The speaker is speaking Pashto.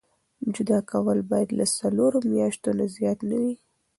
جدا کول باید د څلورو میاشتو نه زیات نه وي.